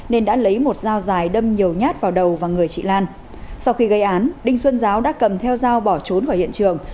ngay sau một giờ gây án đinh xuân giáo đã cầm theo dao bỏ trốn khỏi hiện trường